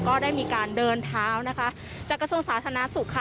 ก็ได้มีการเดินเท้านะคะจากกระทรวงสาธารณสุขค่ะ